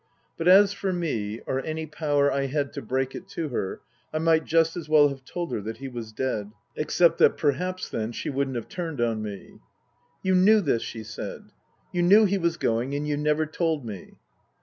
But as for me, or any power I had to break it to her, I might just as well have told her that he was dead. Except that perhaps then she wouldn't have turned on me. " You knew this," she said, " you knew he was going and you never told me